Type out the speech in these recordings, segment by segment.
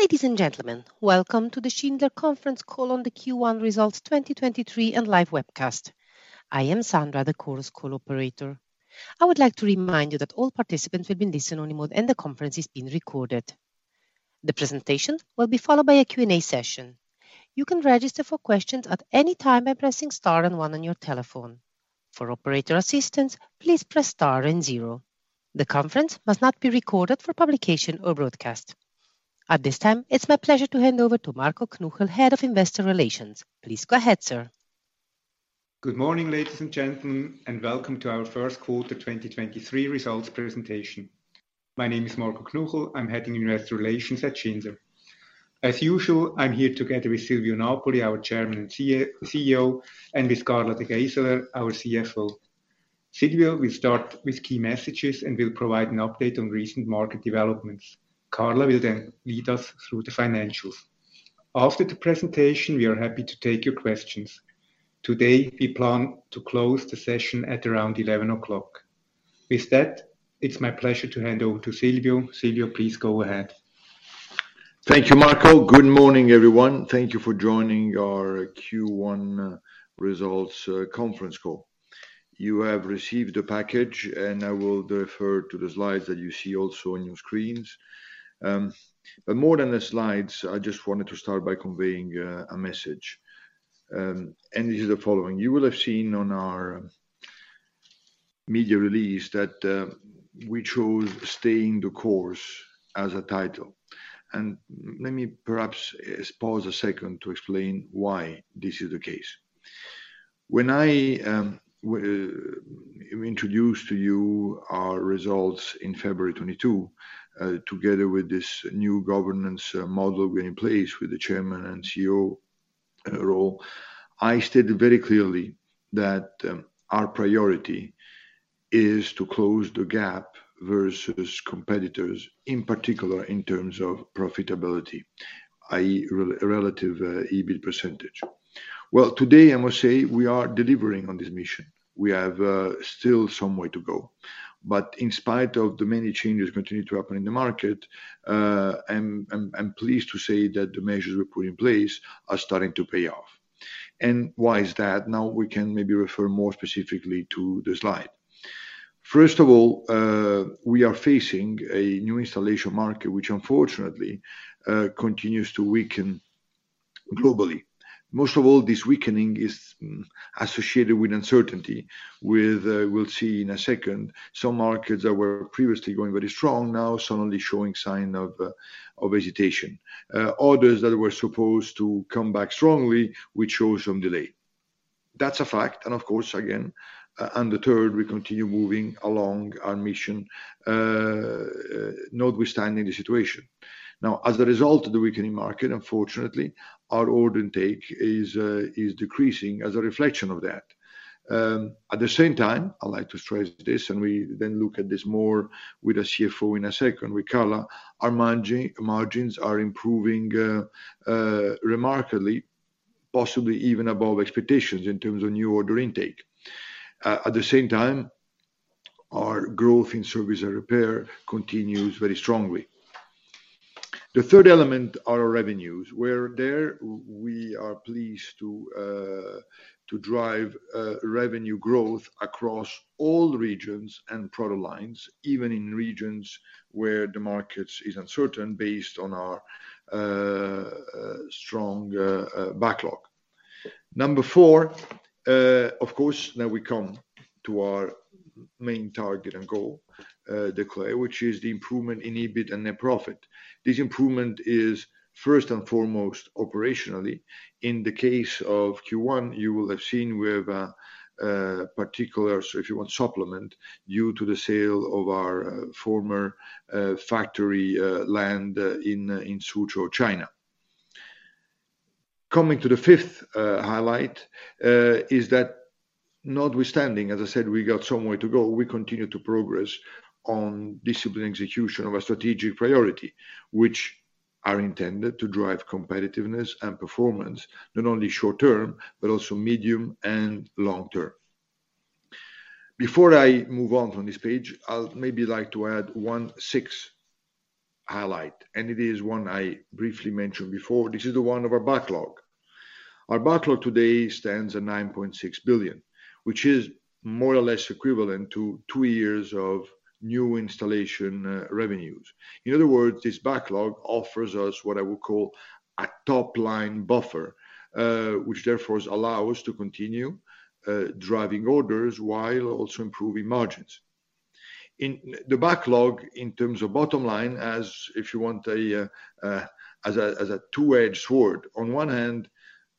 Ladies and gentlemen, welcome to the Schindler conference call on the Q1 results 2023 and live webcast. I am Sandra, the Chorus Call operator. I would like to remind you that all participants will be listen-only mode and the conference is being recorded. The presentation will be followed by a Q&A session. You can register for questions at any time by pressing star and one on your telephone. For operator assistance, please press star and zero. The conference must not be recorded for publication or broadcast. At this time, it's my pleasure to hand over to Marco Knuchel, Head of Investor Relations. Please go ahead, sir. Good morning, ladies and gentlemen, welcome to our first quarter 2023 results presentation. My name is Marco Knuchel, I'm Head of Investor Relations at Schindler. As usual, I'm here together with Silvio Napoli, our Chairman and CEO, and with Carla De Geyseleer, our CFO. Silvio will start with key messages, will provide an update on recent market developments. Carla will lead us through the financials. After the presentation, we are happy to take your questions. Today, we plan to close the session at around 11:00 A.M. With that, it's my pleasure to hand over to Silvio. Silvio, please go ahead. Thank you, Marco. Good morning, everyone. Thank you for joining our Q1 results conference call. You have received the package, and I will refer to the slides that you see also on your screens. More than the slides, I just wanted to start by conveying a message, and this is the following. You will have seen on our media release that we chose Staying the Course as a title. Let me perhaps pause a second to explain why this is the case. When I introduced to you our results in February 2022, together with this new governance model we're in place with the Chairman and CEO role, I stated very clearly that our priority is to close the gap versus competitors, in particular in terms of profitability, i.e., relative EBIT percentage. Well, today I must say we are delivering on this mission. We have still some way to go. But in spite of the many changes continuing to happen in the market, I'm pleased to say that the measures we put in place are starting to pay off. Why is that? Now we can maybe refer more specifically to the slide. First of all, we are facing a New Installation market, which unfortunately continues to weaken globally. Most of all, this weakening is associated with uncertainty, with we'll see in a second, some markets that were previously going very strong now suddenly showing sign of hesitation. Others that were supposed to come back strongly, we chose some delay. That's a fact. Of course, again, undeterred, we continue moving along our mission, notwithstanding the situation. As a result of the weakening market, unfortunately, our order intake is decreasing as a reflection of that. At the same time, I'd like to stress this, and we then look at this more with the CFO in a second, with Carla, our margins are improving remarkably, possibly even above expectations in terms of new order intake. At the same time, our growth in service and repair continues very strongly. The third element are our revenues, where we are pleased to drive revenue growth across all regions and product lines, even in regions where the markets is uncertain based on our strong backlog. Number four, of course, now we come to our main target and goal, declare, which is the improvement in EBIT and net profit. This improvement is first and foremost operationally. In the case of Q1, you will have seen we have a particular, so if you want, supplement due to the sale of our former factory land in Suzhou, China. Coming to the fifth highlight is that notwithstanding, as I said, we got some way to go, we continue to progress on disciplined execution of our strategic priority, which are intended to drive competitiveness and performance, not only short-term, but also medium and long-term. Before I move on from this page, I'll maybe like to add one sixth highlight, and it is one I briefly mentioned before. This is the one of our backlog. Our backlog today stands at 9.6 billion, which is more or less equivalent to two years of New Installation revenues. In other words, this backlog offers us what I would call a top-line buffer, which therefore allow us to continue driving orders while also improving margins. The backlog in terms of bottom line has, if you want, a two-edged sword. On one hand,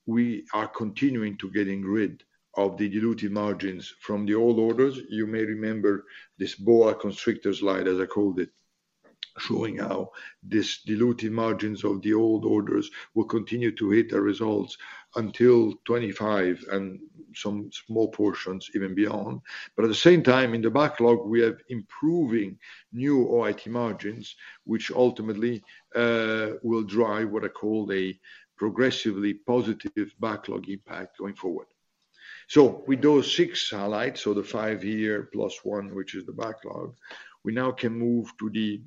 we are continuing to getting rid of the dilutive margins from the old orders. You may remember this boa constrictor slide, as I called it, showing how this dilutive margins of the old orders will continue to hit the results until 2025 and some small portions even beyond. At the same time, in the backlog, we have improving new OIT margins, which ultimately will drive what I call a progressively positive backlog impact going forward. With those six highlights, so the five here plus one, which is the backlog, we now can move to the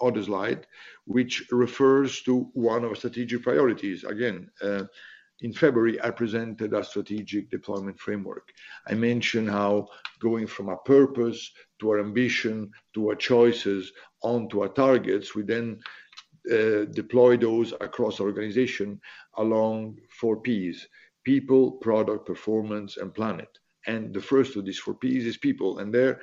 other slide, which refers to one of our strategic priorities. In February, I presented our strategic deployment framework. I mentioned how going from our purpose to our ambition, to our choices, on to our targets, we then deploy those across our organization along four Ps: people, product, performance, and planet. The first of these four Ps is people. There,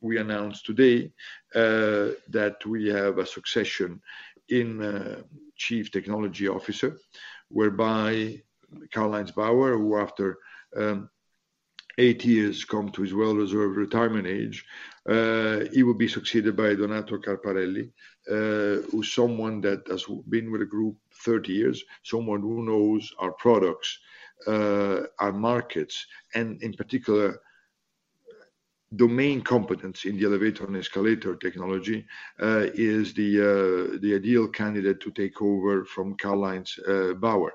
we announced today that we have a succession in Chief Technology Officer, whereby Karl-Heinz Bauer, who after eight years come to his well-deserved retirement age, he will be succeeded by Donato Carparelli, who's someone that has been with the group 30 years, someone who knows our products, our markets, and in particular, domain competence in the elevator and escalator technology, is the ideal candidate to take over from Karl-Heinz Bauer.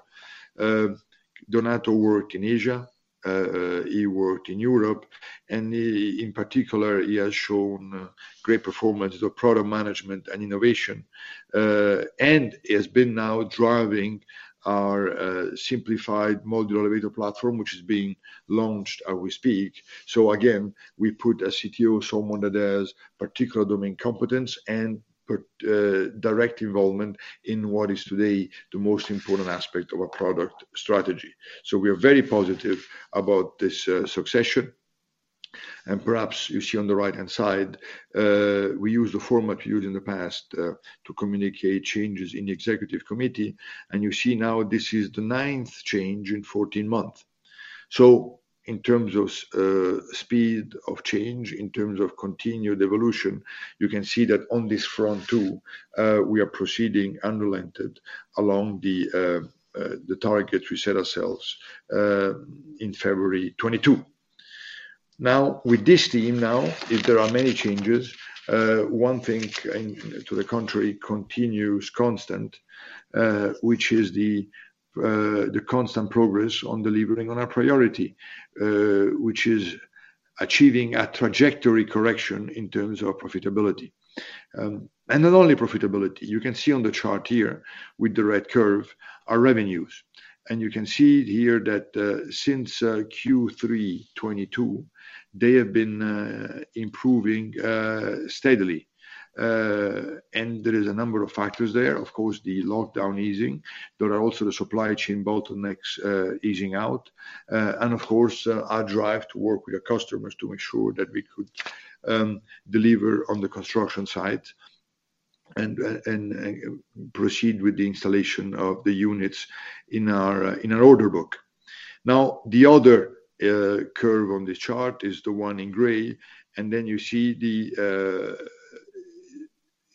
Donato worked in Asia, he worked in Europe, and in particular, he has shown great performance of product management and innovation. He has been now driving our simplified modular elevator platform, which is being launched as we speak. Again, we put a CTO, someone that has particular domain competence and put direct involvement in what is today the most important aspect of our product strategy. We are very positive about this succession. Perhaps you see on the right-hand side, we use the format used in the past to communicate changes in the executive committee. You see now this is the ninth change in 14 months. In terms of speed of change, in terms of continued evolution, you can see that on this front too, we are proceeding unrelenting along the targets we set ourselves in February 2022. Now, with this team now, if there are many changes, one thing and to the contrary continues constant, which is the constant progress on delivering on our priority, which is achieving a trajectory correction in terms of profitability. Not only profitability. You can see on the chart here with the red curve, our revenues. You can see here that, since Q3 2022, they have been improving steadily. There is a number of factors there, of course, the lockdown easing. There are also the supply chain bottlenecks easing out. Of course, our drive to work with our customers to make sure that we could deliver on the construction site and proceed with the installation of the units in our order book. The other curve on this chart is the one in gray, and then you see the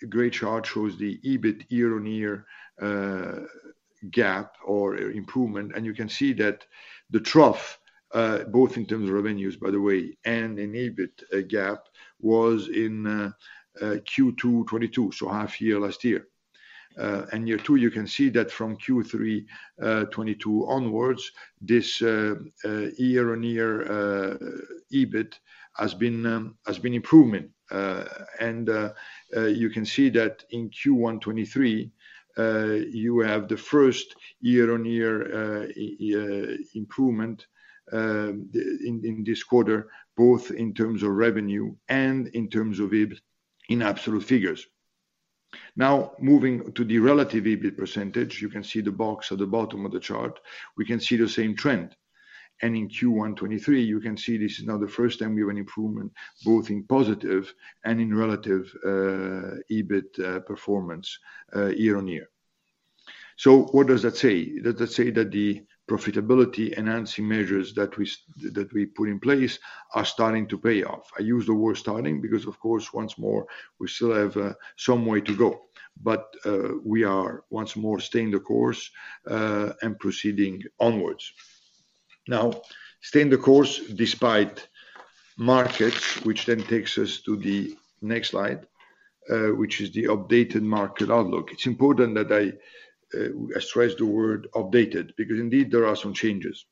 gray chart shows the EBIT year-on-year gap or improvement. You can see that the trough, both in terms of revenues, by the way, and in EBIT gap, was in Q2 2022, so half year last year. You can see that from Q3 2022 onwards, this year-on-year EBIT has been improving. You can see that in Q1 2023, you have the first year-on-year improvement in this quarter, both in terms of revenue and in terms of EBIT in absolute figures. Moving to the relative EBIT percentage, you can see the box at the bottom of the chart. We can see the same trend. In Q1 2023, you can see this is now the first time we have an improvement, both in positive and in relative EBIT performance year-on-year. What does that say? That does say that the profitability-enhancing measures that we put in place are starting to pay off. I use the word starting because, of course, once more, we still have some way to go. We are once more staying the course and proceeding onwards. Staying the course despite markets, which then takes us to the next slide, which is the updated market outlook. It's important that I stress the word updated because indeed there are some changes.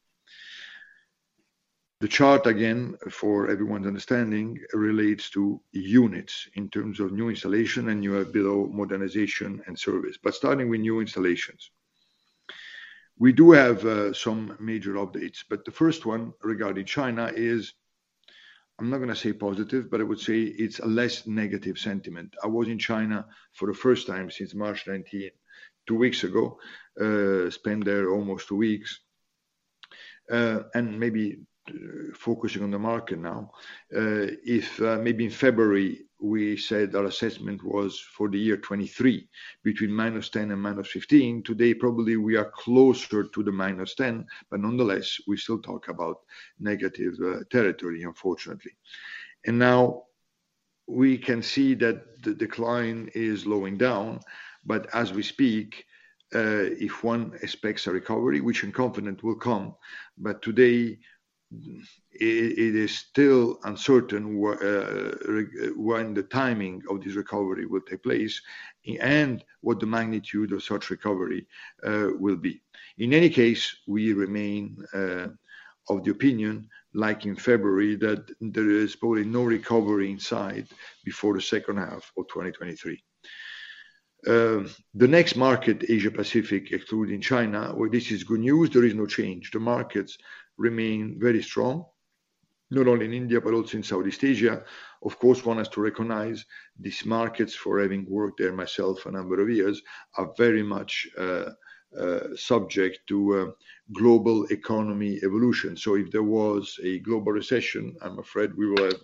The chart, again, for everyone's understanding, relates to units in terms of New Installation and New Build, Modernization, and Service. Starting with New Installations. We do have some major updates, the first one regarding China is, I'm not gonna say positive, but I would say it's a less negative sentiment. I was in China for the first time since March 2019, two weeks ago, spent there almost two weeks. Maybe focusing on the market now. If maybe in February, we said our assessment was for the year 2023, between -10% and -15%. Today, probably we are closer to the -10%, but nonetheless, we still talk about negative territory, unfortunately. Now we can see that the decline is slowing down. As we speak, if one expects a recovery, which I'm confident will come, but today it is still uncertain when the timing of this recovery will take place and what the magnitude of such recovery will be. In any case, we remain of the opinion, like in February, that there is probably no recovery in sight before the second half of 2023. The next market, Asia Pacific, excluding China, where this is good news, there is no change. The markets remain very strong, not only in India, but also in Southeast Asia. One has to recognize these markets, for having worked there myself a number of years, are very much subject to global economy evolution. If there was a global recession, I'm afraid we will have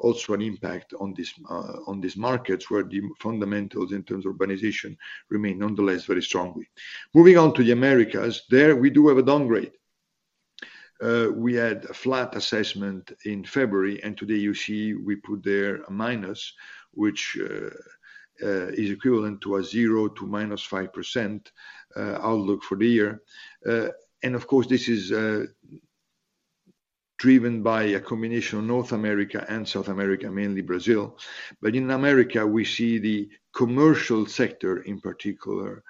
also an impact on this on these markets where the fundamentals in terms of urbanization remain nonetheless very strongly. Moving on to the Americas, there we do have a downgrade. We had a flat assessment in February, and today you see we put there a minus, which is equivalent to a 0% to -5% outlook for the year. Of course, this is driven by a combination of North America and South America, mainly Brazil. In America, we see the commercial sector, in particular,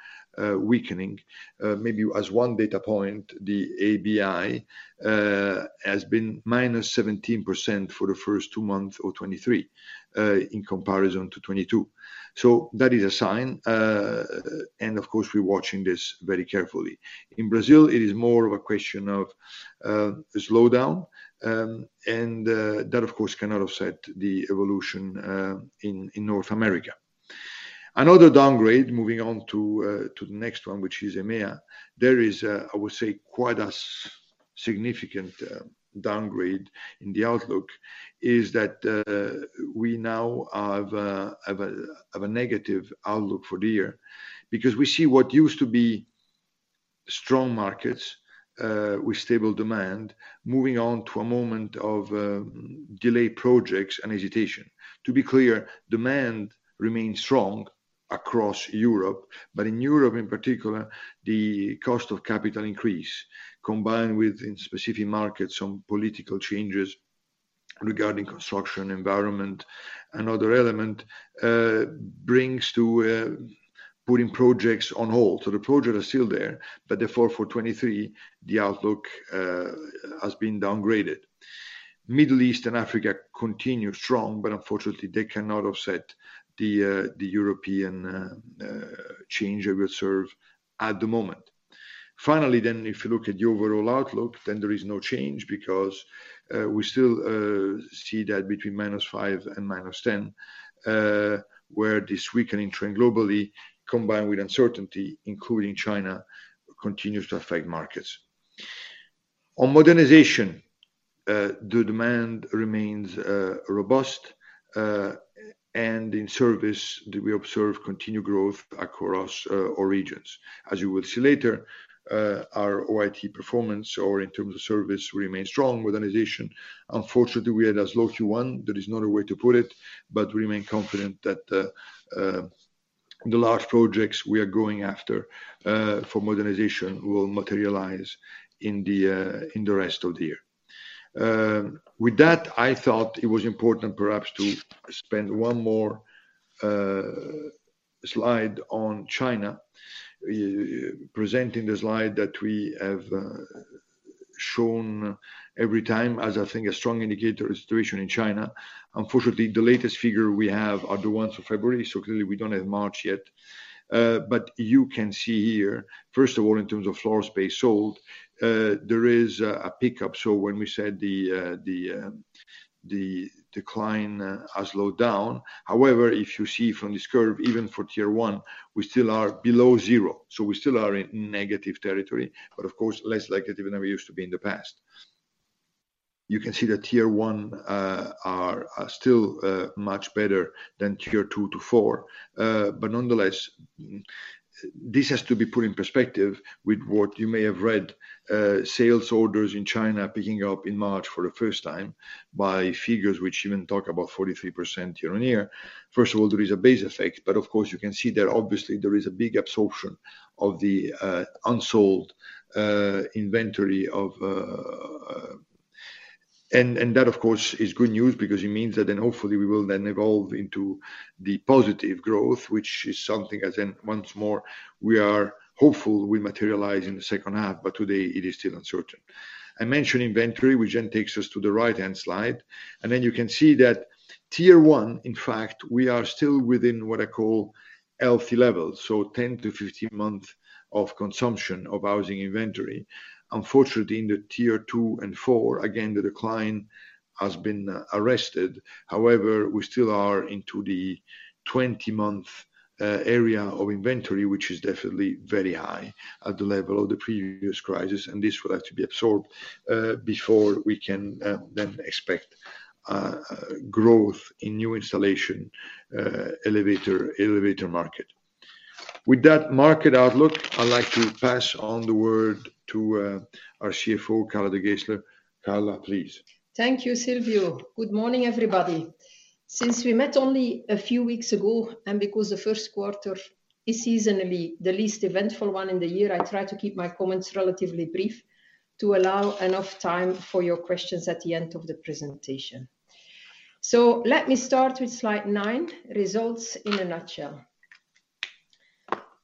weakening. Maybe as one data point, the ABI has been -17% for the first two months of 2023 in comparison to 2022. That is a sign. Of course, we're watching this very carefully. In Brazil, it is more of a question of a slowdown, that of course, cannot offset the evolution in North America. Another downgrade, moving on to the next one, which is EMEA. There is, I would say, quite a significant downgrade in the outlook, is that we now have a negative outlook for the year because we see what used to be strong markets with stable demand, moving on to a moment of delayed projects and hesitation. To be clear, demand remains strong across Europe, but in Europe, in particular, the cost of capital increase, combined with, in specific markets, some political changes regarding construction, environment, another element, brings to putting projects on hold. The projects are still there, but therefore for 2023, the outlook has been downgraded. Middle East and Africa continue strong, unfortunately, they cannot offset the European change we observe at the moment. If you look at the overall outlook, there is no change because we still see that between -5 and -10, where this weakening trend globally, combined with uncertainty, including China, continues to affect markets. On Modernization, the demand remains robust, and in Service, do we observe continued growth across all regions. As you will see later, our OIT performance or in terms of Service remains strong with Modernization. Unfortunately, we had a slow Q1. There is not a way to put it, remain confident that the large projects we are going after for Modernization will materialize in the rest of the year. With that, I thought it was important perhaps to spend one more slide on China, presenting the slide that we have shown every time as I think a strong indicator of the situation in China. Unfortunately, the latest figure we have are the ones for February, so clearly we don't have March yet. You can see here, first of all, in terms of floor space sold, there is a pickup. When we said the decline has slowed down. However, if you see from this curve, even for Tier 1, we still are below zero, so we still are in negative territory, but of course, less likely than we used to be in the past. You can see that Tier 1 are still much better than Tier 2 to Tier 4. Nonetheless, this has to be put in perspective with what you may have read, sales orders in China picking up in March for the first time by figures which even talk about 43% year-on-year. First of all, there is a base effect, but of course, you can see there obviously there is a big absorption of the unsold inventory. That, of course, is good news because it means that then hopefully we will then evolve into the positive growth, which is something as in once more, we are hopeful will materialize in the second half. Today it is still uncertain. I mentioned inventory, which then takes us to the right-hand slide. You can see that tier one, in fact, we are still within what I call healthy levels, so 10-15 months of consumption of housing inventory. Unfortunately, in the Tier 2 and Tier 4, again, the decline has been arrested. We still are into the 20-month area of inventory, which is definitely very high at the level of the previous crisis, and this will have to be absorbed before we can then expect growth in new installation elevator market. With that market outlook, I'd like to pass on the word to our CFO, Carla De Geyseleer. Carla, please. Thank you, Silvio. Good morning, everybody. Since we met only a few weeks ago, and because the first quarter is seasonally the least eventful one in the year, I try to keep my comments relatively brief to allow enough time for your questions at the end of the presentation. Let me start with slide nine, results in a nutshell.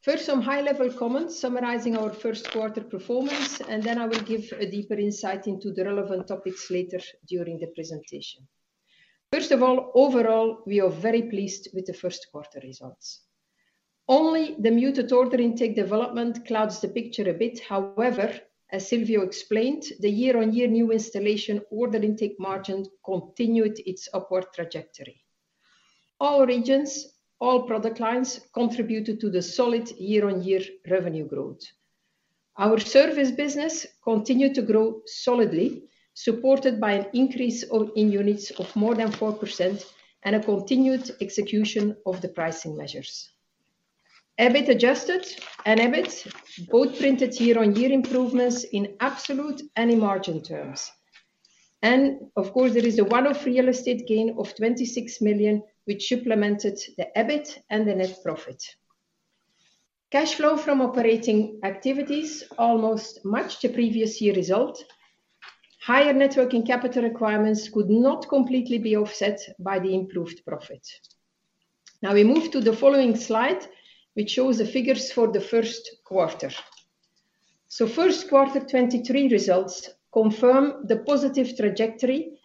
First, some high level comments summarizing our first quarter performance. Then I will give a deeper insight into the relevant topics later during the presentation. Overall, we are very pleased with the first quarter results. Only the muted order intake development clouds the picture a bit. As Silvio explained, the year-on-year New Installation order intake margin continued its upward trajectory. All regions, all product lines contributed to the solid year-on-year revenue growth. Our Service business continued to grow solidly, supported by an increase in units of more than 4% and a continued execution of the pricing measures. EBIT adjusted and EBIT both printed year-over-year improvements in absolute and in margin terms. Of course there is a one-off real estate gain of 26 million, which supplemented the EBIT and the net profit. Cash flow from operating activities almost matched the previous year result. Higher networking capital requirements could not completely be offset by the improved profit. We move to the following slide, which shows the figures for the first quarter. First quarter 2023 results confirm the positive trajectory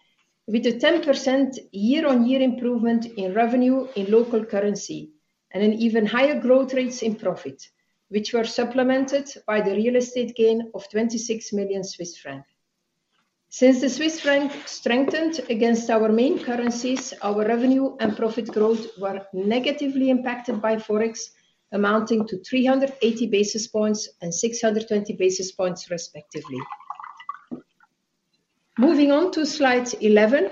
with a 10% year-over-year improvement in revenue in local currency and an even higher growth rates in profit, which were supplemented by the real estate gain of 26 million Swiss francs. Since the Swiss franc strengthened against our main currencies, our revenue and profit growth were negatively impacted by Forex, amounting to 380 basis points and 620 basis points, respectively. Moving on to slide 11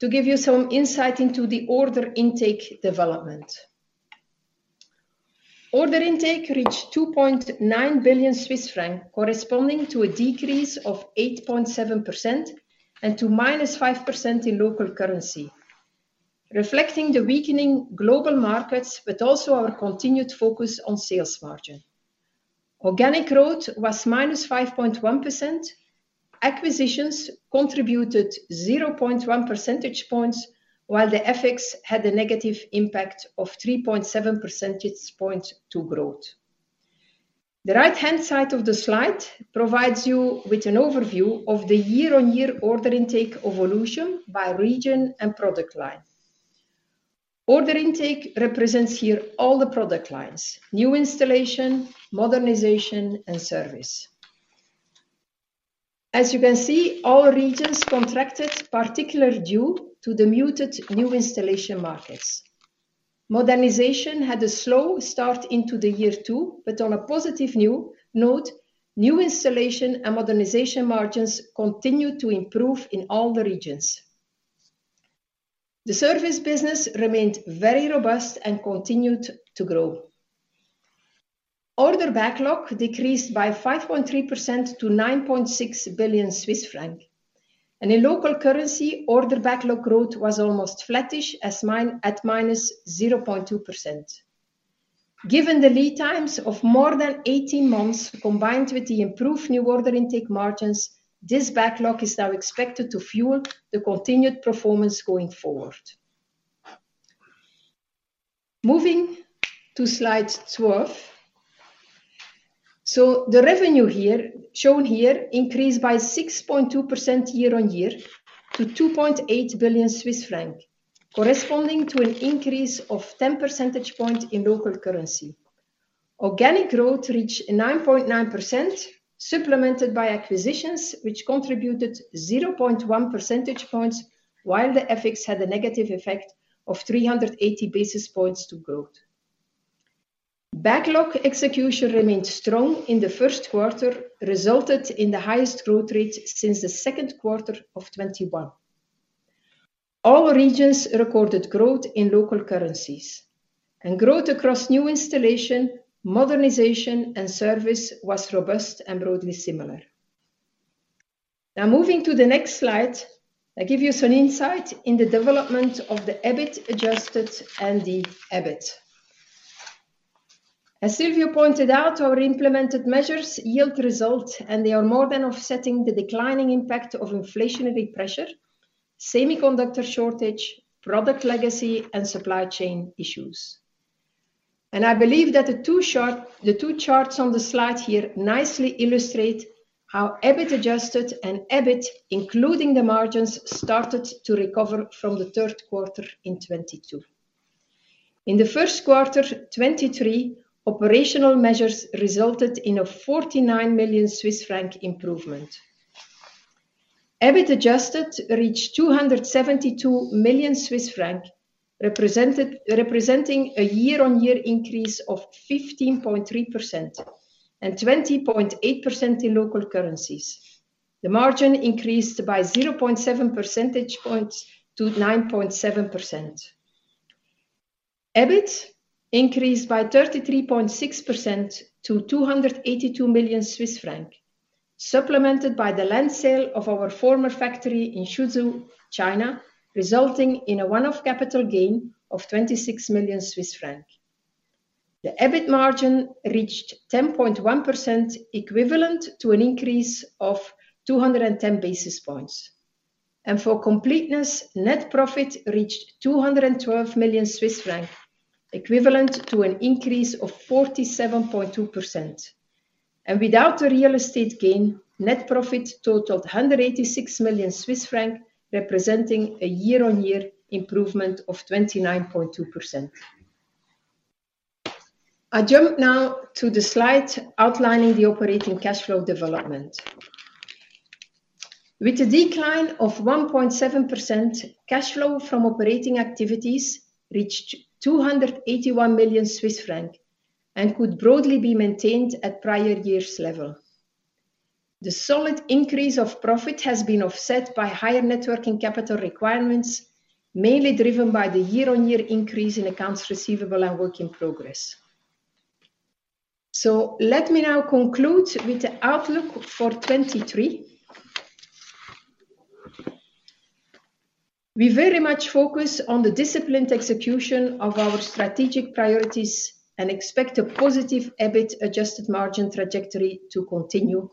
to give you some insight into the order intake development. Order intake reached 2.9 billion Swiss francs, corresponding to a decrease of 8.7% and to -5% in local currency, reflecting the weakening global markets, but also our continued focus on sales margin. Organic growth was -5.1%. Acquisitions contributed 0.1 percentage points, while the FX had a negative impact of 3.7 percentage points to growth. The right-hand side of the slide provides you with an overview of the year-on-year order intake evolution by region and product line. Order intake represents here all the product lines: New Installation, Modernization, and Service. As you can see, all regions contracted, particularly due to the muted New Installation markets. On a positive new note, New Installation and Modernization margins continued to improve in all the regions. The Service business remained very robust and continued to grow. Order backlog decreased by 5.3% to 9.6 billion Swiss franc. In local currency, order backlog growth was almost flattish at -0.2%. Given the lead times of more than 18 months, combined with the improved new order intake margins, this backlog is now expected to fuel the continued performance going forward. Moving to slide 12. The revenue here shown here increased by 6.2% year-on-year to 2.8 billion Swiss francs, corresponding to an increase of 10 percentage points in local currency. Organic growth reached 9.9%, supplemented by acquisitions which contributed 0.1 percentage points, while the FX had a negative effect of 380 basis points to growth. Backlog execution remained strong in the first quarter, resulted in the highest growth rate since the second quarter of 2021. All regions recorded growth in local currencies. Growth across New Installation, Modernization, and Service was robust and broadly similar. Moving to the next slide, I give you some insight in the development of the EBIT adjusted and the EBIT. As Silvio pointed out, our implemented measures yield results, they are more than offsetting the declining impact of inflationary pressure, semiconductor shortage, product legacy, and supply chain issues. I believe that the two charts on the slide here nicely illustrate how EBIT adjusted and EBIT, including the margins, started to recover from the third quarter 2022. In the first quarter 2023, operational measures resulted in a 49 million Swiss franc improvement. EBIT adjusted reached 272 million Swiss franc, representing a year-on-year increase of 15.3% and 20.8% in local currencies. The margin increased by 0.7 percentage points to 9.7%. EBIT increased by 33.6% to 282 million Swiss francs, supplemented by the land sale of our former factory in Suzhou, China, resulting in a one-off capital gain of 26 million Swiss francs. The EBIT margin reached 10.1%, equivalent to an increase of 210 basis points. For completeness, net profit reached 212 million Swiss francs, equivalent to an increase of 47.2%. Without the real estate gain, net profit totaled 186 million Swiss francs, representing a year-on-year improvement of 29.2%. I jump now to the slide outlining the operating cash flow development. With a decline of 1.7%, cash flow from operating activities reached 281 million Swiss francs and could broadly be maintained at prior years level. The solid increase of profit has been offset by higher net working capital requirements, mainly driven by the year-on-year increase in accounts receivable and work in progress. Let me now conclude with the outlook for 2023. We very much focus on the disciplined execution of our strategic priorities and expect a positive EBIT adjusted margin trajectory to continue.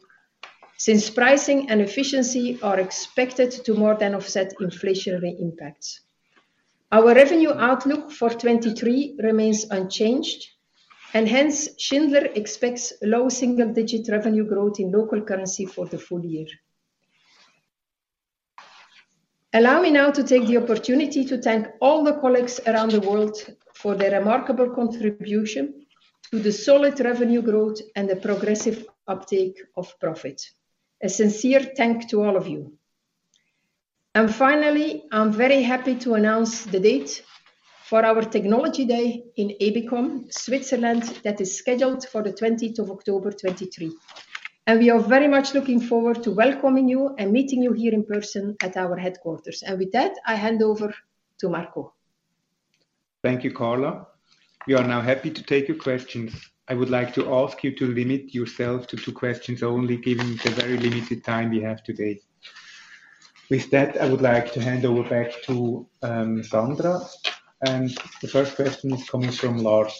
Since pricing and efficiency are expected to more than offset inflationary impacts. Our revenue outlook for 2023 remains unchanged, and hence Schindler expects low single-digit revenue growth in local currency for the full year. Allow me now to take the opportunity to thank all the colleagues around the world for their remarkable contribution to the solid revenue growth and the progressive uptake of profit. A sincere thank to all of you. Finally, I'm very happy to announce the date for our Technology Day in Ebikon, Switzerland. That is scheduled for the October 20th, 2023. We are very much looking forward to welcoming you and meeting you here in person at our headquarters. With that, I hand over to Marco. Thank you, Carla. We are now happy to take your questions. I would like to ask you to limit yourself to two questions only, given the very limited time we have today. With that, I would like to hand over back to Sandra. The first question is coming from Lars.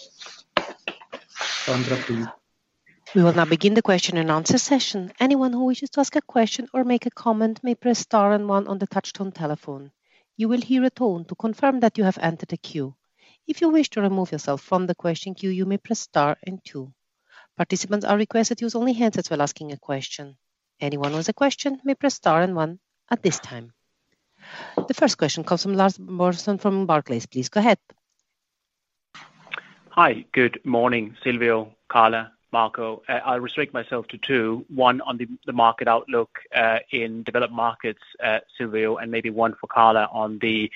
Sandra, please. We will now begin the question-and-answer session. Anyone who wishes to ask a question or make a comment may press star and one on the touchtone telephone. You will hear a tone to confirm that you have entered a queue. If you wish to remove yourself from the question queue, you may press star and two. Participants are requested to use only handsets while asking a question. Anyone who has a question may press star and one at this time. The first question comes from Lars Brorson from Barclays. Please go ahead. Hi. Good morning, Silvio, Carla, Marco. I'll restrict myself to two. One on the market outlook in developed markets, Silvio, and maybe one for Carla on the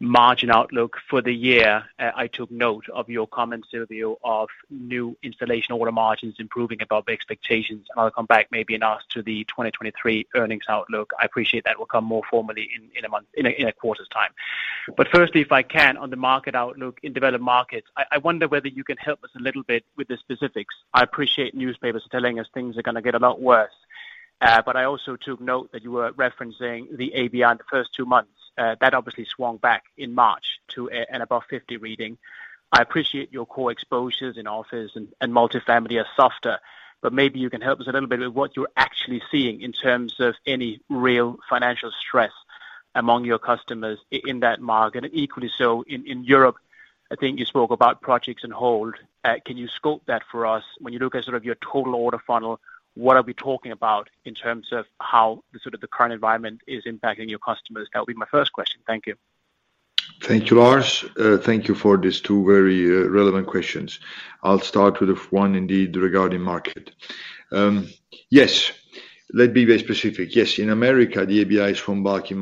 margin outlook for the year. I took note of your comments, Silvio, of New Installation order margins improving above expectations. I'll come back maybe and ask to the 2023 earnings outlook. I appreciate that will come more formally in a quarter's time. Firstly, if I can, on the market outlook in developed markets, I wonder whether you can help us a little bit with the specifics. I appreciate newspapers telling us things are gonna get a lot worse, but I also took note that you were referencing the ABI on the first two months. That obviously swung back in March to an above 50 reading. I appreciate your core exposures in office and multifamily are softer. Maybe you can help us a little bit with what you're actually seeing in terms of any real financial stress among your customers in that market. Equally so, in Europe, I think you spoke about projects on hold. Can you scope that for us? When you look at sort of your total order funnel, what are we talking about in terms of how the sort of the current environment is impacting your customers? That will be my first question. Thank you. Thank you, Lars. Thank you for these two very relevant questions. I'll start with the one indeed regarding market. Yes. Let me be specific. Yes, in America, the ABI is from back in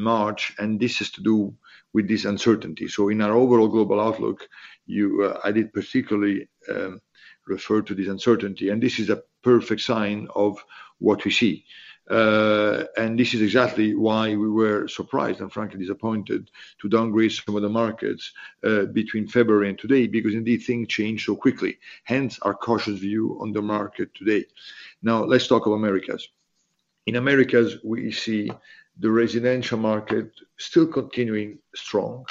March, and this has to do with this uncertainty. In our overall global outlook, you, I did particularly refer to this uncertainty, and this is a perfect sign of what we see. This is exactly why we were surprised and frankly disappointed to downgrade some of the markets between February and today, because indeed things changed so quickly, hence our cautious view on the market today. Now let's talk of Americas. In Americas, we see the residential market still continuing strong,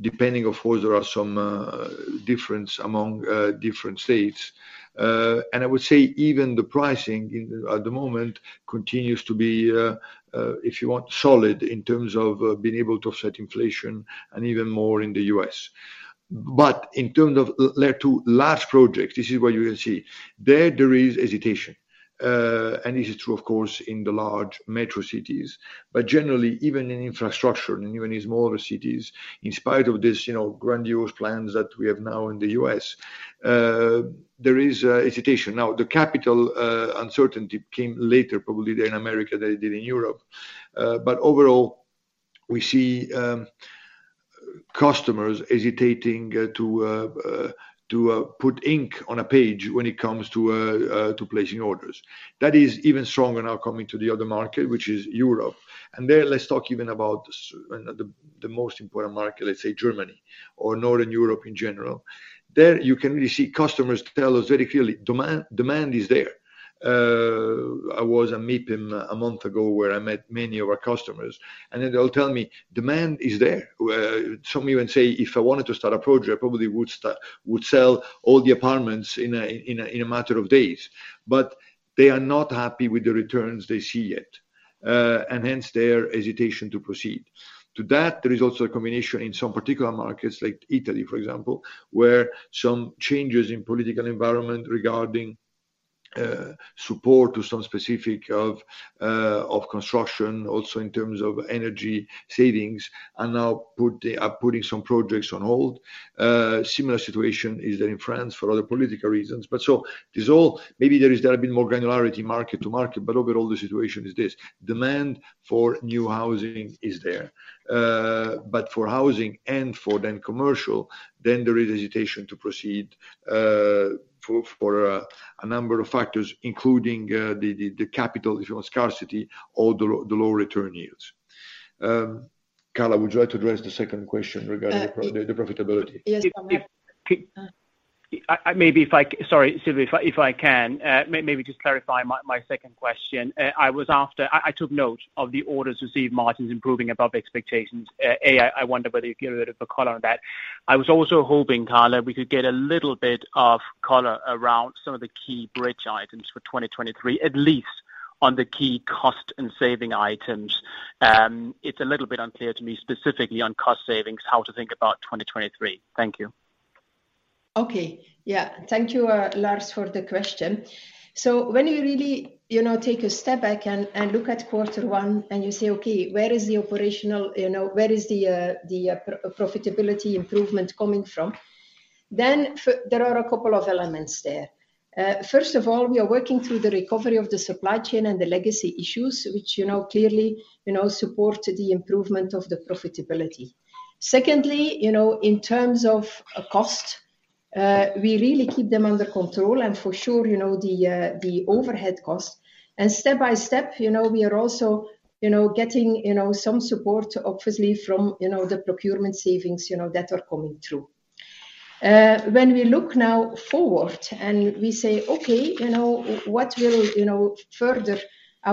depending of course, there are some difference among different states. I would say even the pricing at the moment continues to be, if you want, solid in terms of being able to offset inflation and even more in the U.S. In terms of to large projects, this is what you will see. There is hesitation. This is true, of course, in the large metro cities. Generally, even in infrastructure and even in smaller cities, in spite of this, you know, grandiose plans that we have now in the U.S., there is hesitation. The capital uncertainty came later probably there in America than it did in Europe. Overall, we see customers hesitating to put ink on a page when it comes to placing orders. That is even stronger now coming to the other market, which is Europe. There let's talk even about the most important market, let's say Germany or Northern Europe in general. There you can really see customers tell us very clearly, demand is there. I was at MIPIM a month ago where I met many of our customers, they'll tell me, "Demand is there." Some even say, "If I wanted to start a project, I probably would sell all the apartments in a matter of days." They are not happy with the returns they see yet, and hence their hesitation to proceed. To that, there is also a combination in some particular markets like Italy, for example, where some changes in political environment regarding support to some specific of construction also in terms of energy savings are putting some projects on hold. Similar situation is there in France for other political reasons. Maybe there is a bit more granularity market to market, but overall the situation is this: demand for new housing is there. For housing and for then commercial, then there is hesitation to proceed for a number of factors, including the capital, if you want, scarcity or the low, the low return yields. Carla, would you like to address the second question regarding the profitability? Yes, I'm happy. If. Uh. I maybe if I sorry, Silvio, if I, if I can maybe just clarify my second question. I was after... I took note of the orders received margins improving above expectations. I wonder whether you can give a bit of a color on that. I was also hoping, Carla, we could get a little bit of color around some of the key bridge items for 2023, at least on the key cost and saving items. It's a little bit unclear to me specifically on cost savings, how to think about 2023. Thank you. Okay. Yeah. Thank you, Lars, for the question. When you really, you know, take a step back and look at quarter one and you say, "Okay, where is the operational, you know, where is the profitability improvement coming from?" There are a couple of elements there. First of all, we are working through the recovery of the supply chain and the legacy issues which, you know, clearly, you know, support the improvement of the profitability. Secondly, you know, in terms of cost, we really keep them under control and for sure, you know, the overhead cost. Step by step, you know, we are also, you know, getting, you know, some support obviously from, you know, the procurement savings, you know, that are coming through. When we look now forward and we say, "Okay, you know, what will, you know, further,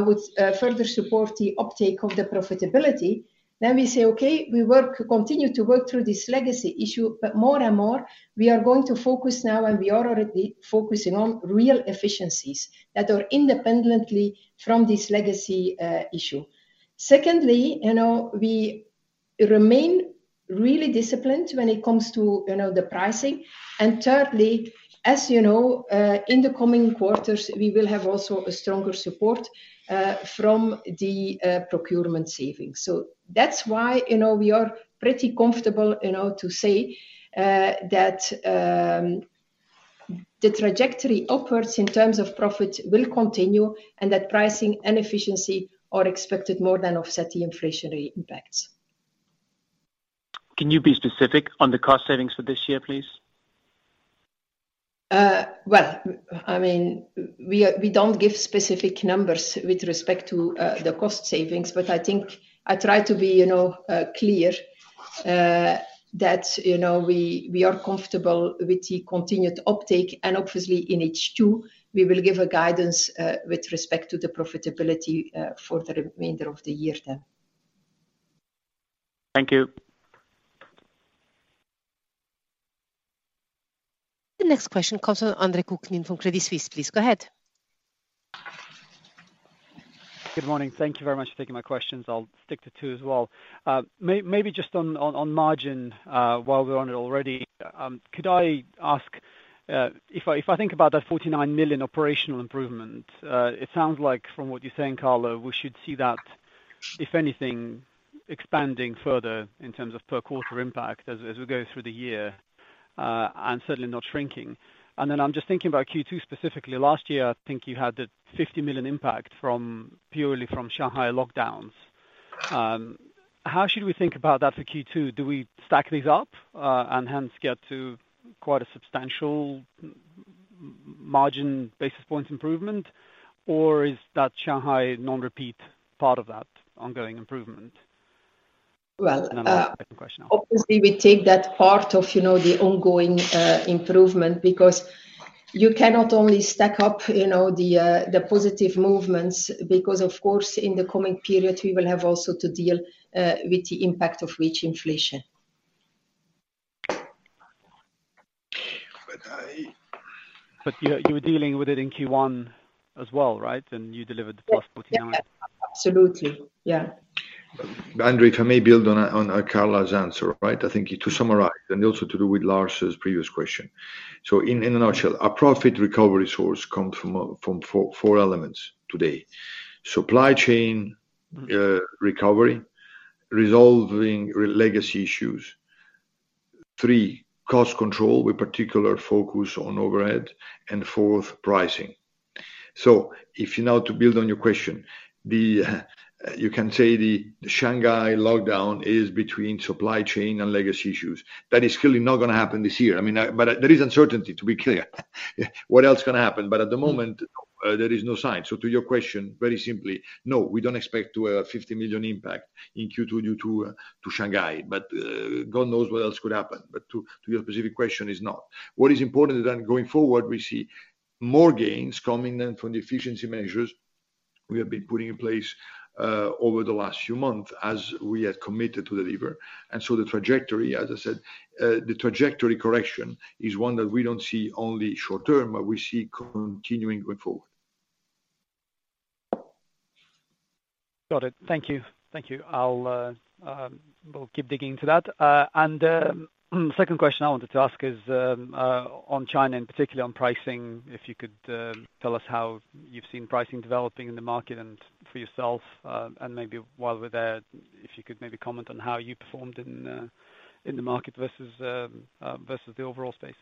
with further support the uptake of the profitability?" We say, "Okay, we continue to work through this legacy issue," more and more, we are going to focus now and we are already focusing on real efficiencies that are independently from this legacy issue. Secondly, you know, we remain really disciplined when it comes to, you know, the pricing. Thirdly, as you know, in the coming quarters, we will have also a stronger support from the procurement savings. That's why, you know, we are pretty comfortable, you know, to say that the trajectory upwards in terms of profit will continue and that pricing and efficiency are expected more than offset the inflationary impacts. Can you be specific on the cost savings for this year, please? I mean, we don't give specific numbers with respect to the cost savings, but I think I try to be, you know, clear, that, you know, we are comfortable with the continued uptake and obviously in H2, we will give a guidance with respect to the profitability for the remainder of the year then. Thank you. The next question comes from Andre Kukhnin from Credit Suisse. Please go ahead. Good morning. Thank you very much for taking my questions. I'll stick to two as well. Maybe just on margin, while we're on it already, could I ask if I think about that 49 million operational improvement, it sounds like from what you're saying, Carla, we should see that if anything expanding further in terms of per quarter impact as we go through the year, and certainly not shrinking. Then I'm just thinking about Q2 specifically. Last year, I think you had the 50 million impact from purely from Shanghai lockdowns. How should we think about that for Q2? Do we stack these up and hence get to quite a substantial margin basis points improvement? Or is that Shanghai non-repeat part of that ongoing improvement? Well... I have a second question after. Obviously we take that part of, you know, the ongoing improvement because you cannot only stack up, you know, the positive movements because of course in the coming period we will have also to deal with the impact of wage inflation. You were dealing with it in Q1 as well, right? You delivered the 49 million. Yes. Absolutely. Yeah. Andre, if I may build on Carla's answer, right? I think to summarize and also to do with Lars Brorson's previous question. In a nutshell, our profit recovery source comes from four elements today: supply chain recovery, resolving legacy issues. Three, cost control with particular focus on overhead. Fourth, pricing. If you're now to build on your question, the Shanghai lockdown is between supply chain and legacy issues. That is clearly not gonna happen this year. I mean, there is uncertainty to be clear. What else can happen? At the moment, there is no sign. To your question, very simply, no, we don't expect to a 50 million impact in Q2 due to Shanghai, but God knows what else could happen. To your specific question is no. What is important is that going forward, we see more gains coming in from the efficiency measures we have been putting in place, over the last few months as we had committed to deliver. The trajectory correction is one that we don't see only short-term, but we see continuing going forward. Got it. Thank you. Thank you. We'll keep digging into that. Second question I wanted to ask is on China, and particularly on pricing, if you could tell us how you've seen pricing developing in the market and for yourself, and maybe while we're there, if you could maybe comment on how you performed in the market versus the overall space?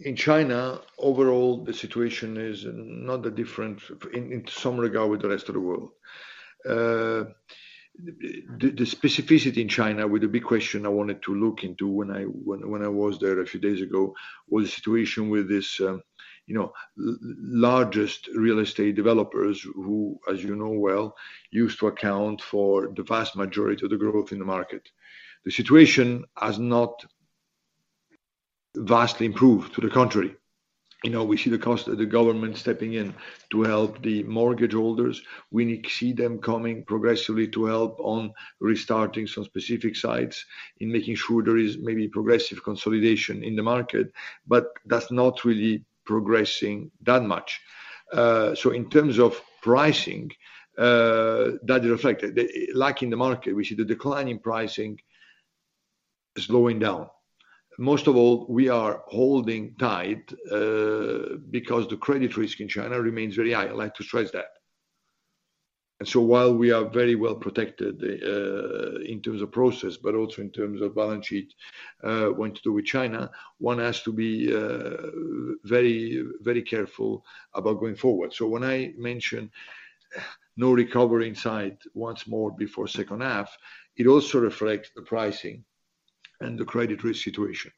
In China, overall, the situation is not that different in some regard with the rest of the world. The specificity in China with the big question I wanted to look into when I was there a few days ago was the situation with this, you know, largest real estate developers who, as you know well, used to account for the vast majority of the growth in the market. The situation has not vastly improved. To the contrary, you know, we see the cost of the government stepping in to help the mortgage holders. We need see them coming progressively to help on restarting some specific sites in making sure there is maybe progressive consolidation in the market, but that's not really progressing that much. In terms of pricing, that reflected. The lack in the market, we see the decline in pricing slowing down. Most of all, we are holding tight because the credit risk in China remains very high. I'd like to stress that. While we are very well protected in terms of process, but also in terms of balance sheet, when to do with China, one has to be very, very careful about going forward. When I mention no recovery in sight once more before second half, it also reflects the pricing and the credit risk situation.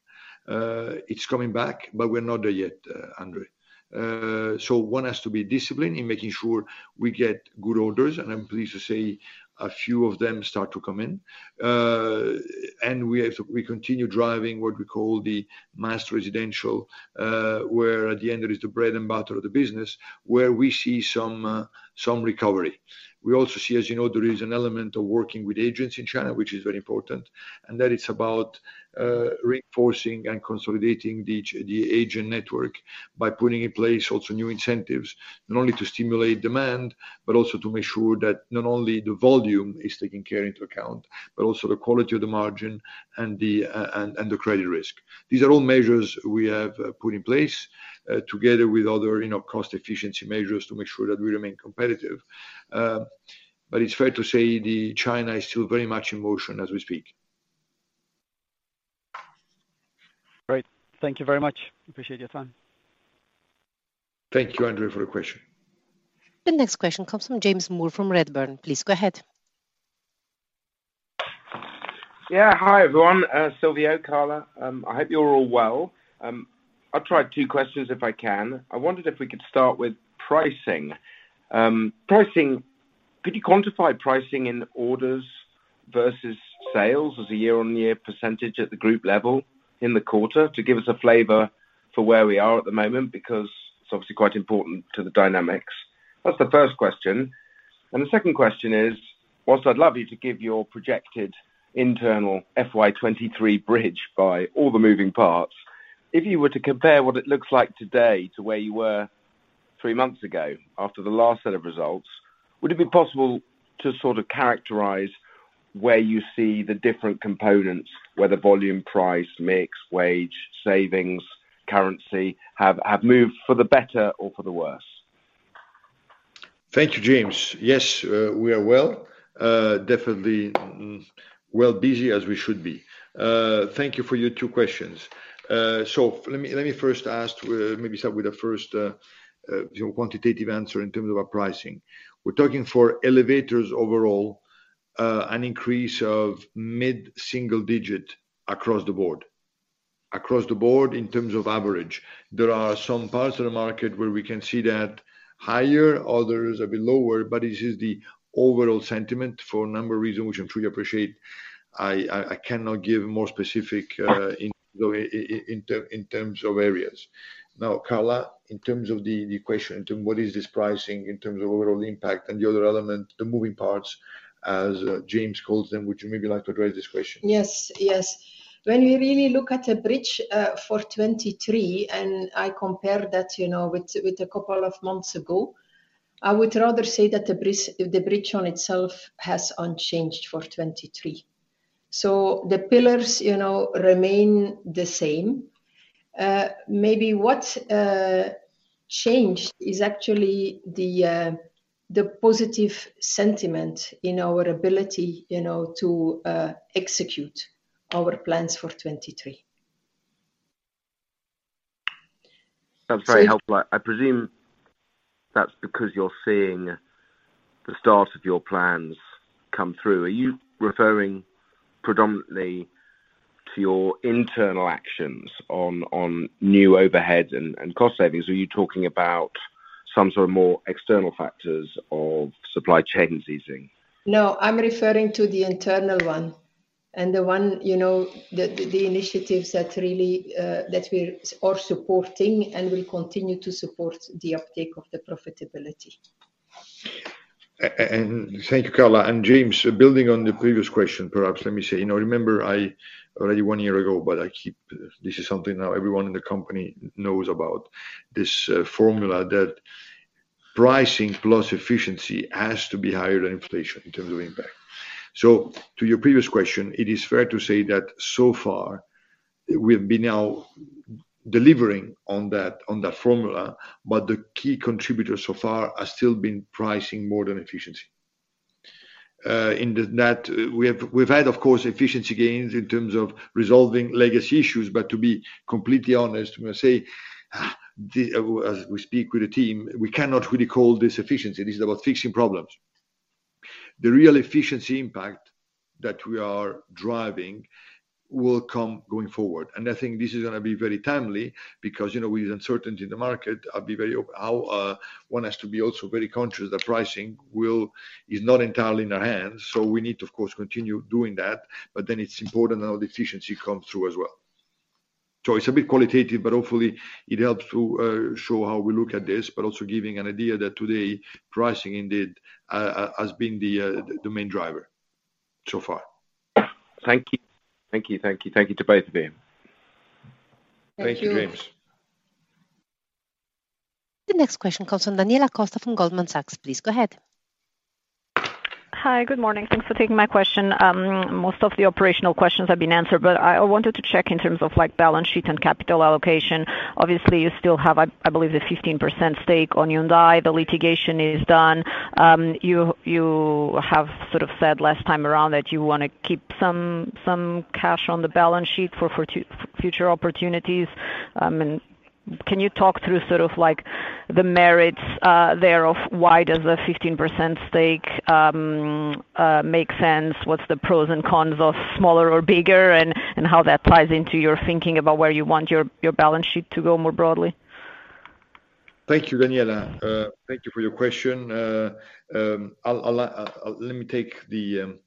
It's coming back, but we're not there yet, Andre. One has to be disciplined in making sure we get good orders, and I'm pleased to say a few of them start to come in. And we have... We continue driving what we call the mass residential, where at the end it is the bread and butter of the business, where we see some recovery. We also see, as you know, there is an element of working with agents in China, which is very important, and that is about reinforcing and consolidating the agent network by putting in place also new incentives, not only to stimulate demand, but also to make sure that not only the volume is taken care into account, but also the quality of the margin and the credit risk. These are all measures we have put in place together with other, you know, cost efficiency measures to make sure that we remain competitive. It's fair to say the China is still very much in motion as we speak. Great. Thank you very much. Appreciate your time. Thank you, Andre, for the question. The next question comes from James Moore from Redburn. Please go ahead. Hi, everyone. Silvio, Carla, I hope you're all well. I'll try two questions if I can. I wondered if we could start with pricing. Pricing, could you quantify pricing in orders versus sales as a year-on-year percentage at the group level in the quarter to give us a flavor for where we are at the moment? Because it's obviously quite important to the dynamics. That's the first question. The second question is, whilst I'd love you to give your projected internal FY 2023 bridge by all the moving parts, if you were to compare what it looks like today to where you were three months ago after the last set of results, would it be possible to sort of characterize where you see the different components, whether volume, price, mix, wage, savings, currency, have moved for the better or for the worse? Thank you, James. Yes, we are well. Definitely well busy as we should be. Thank you for your two questions. Let me first ask to maybe start with the first, you know, quantitative answer in terms of our pricing. We're talking for elevators overall, an increase of mid-single-digit across the board. Across the board in terms of average. There are some parts of the market where we can see that higher, others a bit lower, but this is the overall sentiment for a number of reasons which I'm sure you appreciate. I cannot give more specific in terms of areas. Carla, in terms of the question, what is this pricing in terms of overall impact and the other element, the moving parts as James calls them, would you maybe like to address this question? Yes. Yes. When we really look at the bridge, for 2023 and I compare that, you know, with a couple of months ago, I would rather say that the bridge on itself has unchanged for 2023. The pillars, you know, remain the same. Maybe what changed is actually the positive sentiment in our ability, you know, to execute our plans for 2023. That's very helpful. I presume that's because you're seeing the start of your plans come through. Are you referring predominantly to your internal actions on new overheads and cost savings? Or are you talking about some sort of more external factors of supply chains easing? No, I'm referring to the internal one and the one, you know, the initiatives that really, that we are supporting and will continue to support the uptake of the profitability. Thank you, Carla. James, building on the previous question, perhaps let me say, you know, remember I already one year ago, but I keep this is something now everyone in the company knows about this formula, that pricing plus efficiency has to be higher than inflation in terms of impact. To your previous question, it is fair to say that so far we've been now delivering on that, on that formula, but the key contributors so far has still been pricing more than efficiency. In the net, we have, we've had, of course, efficiency gains in terms of resolving legacy issues. To be completely honest, when I say, as we speak with the team, we cannot really call this efficiency. This is about fixing problems. The real efficiency impact that we are driving will come going forward, and I think this is gonna be very timely because, you know, with uncertainty in the market, I'll be very open how one has to be also very conscious that pricing is not entirely in our hands. We need to, of course, continue doing that, but then it's important how the efficiency comes through as well. It's a bit qualitative, but hopefully it helps to show how we look at this, but also giving an idea that today pricing indeed has been the main driver so far. Thank you. Thank you. Thank you. Thank you to both of you. Thank you. Thank you, James. The next question comes from Daniela Costa from Goldman Sachs. Please go ahead. Hi. Good morning. Thanks for taking my question. Most of the operational questions have been answered, but I wanted to check in terms of like balance sheet and capital allocation. Obviously you still have, I believe a 15% stake on Hyundai. The litigation is done. You have sort of said last time around that you wanna keep some cash on the balance sheet for future opportunities. Can you talk through sort of like the merits there of why does a 15% stake make sense? What's the pros and cons of smaller or bigger and how that ties into your thinking about where you want your balance sheet to go more broadly? Thank you, Daniela. Thank you for your question. I'll let me take the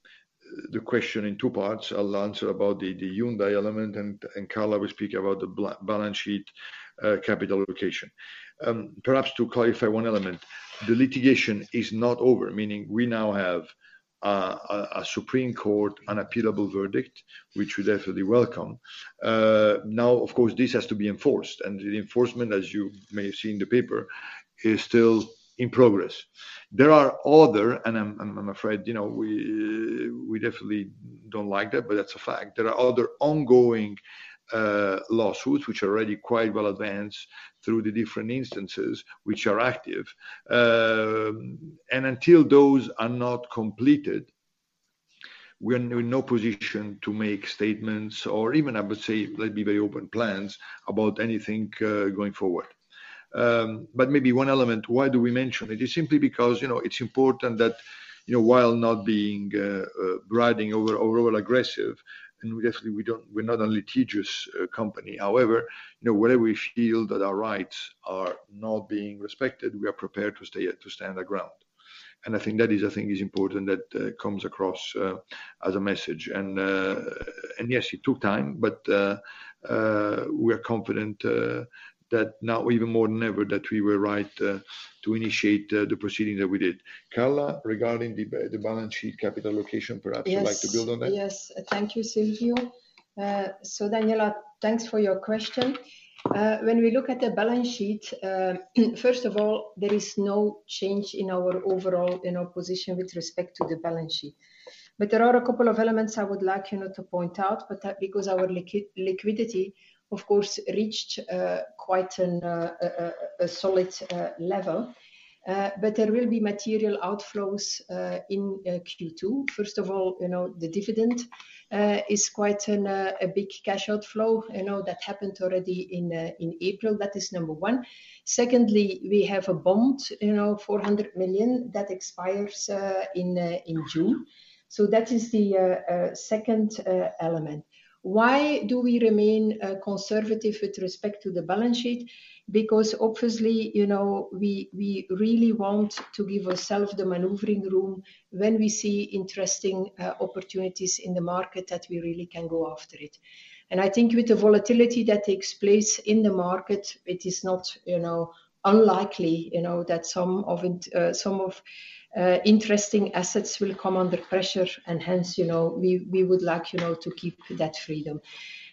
question in two parts. I'll answer about the Hyundai element and Carla will speak about the balance sheet, capital allocation. Perhaps to clarify one element, the litigation is not over, meaning we now have a Supreme Court unappealable verdict, which we definitely welcome. Now of course this has to be enforced and the enforcement, as you may have seen in the paper, is still in progress. There are other and I'm afraid, you know, we definitely don't like that, but that's a fact. There are other ongoing lawsuits which are already quite well advanced through the different instances which are active. Until those are not completed, we are in no position to make statements or even I would say, let's be very open, plans about anything going forward. Maybe one element, why do we mention it? Is simply because, you know, it's important that, you know, while not being riding over, overall aggressive and we definitely we're not a litigious company. However, you know, where we feel that our rights are not being respected, we are prepared to stand our ground. I think that is a thing is important that comes across as a message. Yes, it took time, but we are confident that now even more than ever that we were right to initiate the proceeding that we did. Carla, regarding the balance sheet capital allocation, perhaps you'd like to build on that. Yes. Yes. Thank you, Silvio. Daniela, thanks for your question. When we look at the balance sheet, first of all, there is no change in our overall, in our position with respect to the balance sheet. There are a couple of elements I would like, you know, to point out. Because our liquidity of course reached quite a solid level, there will be material outflows in Q2. First of all, you know, the dividend is quite a big cash outflow. You know, that happened already in April. That is number one. Secondly, we have a bond, you know, 400 million that expires in June. That is the second element. Why do we remain conservative with respect to the balance sheet? Because obviously, you know, we really want to give ourself the maneuvering room when we see interesting opportunities in the market that we really can go after it. And I think with the volatility that takes place in the market, it is not, you know, unlikely, you know, that some of it, some of interesting assets will come under pressure and hence, you know, we would like, you know, to keep that freedom.